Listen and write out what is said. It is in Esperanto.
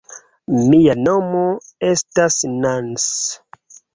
Mia nomo estas Nans.